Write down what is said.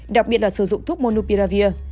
đặc biệt là sử dụng thuốc monopiravir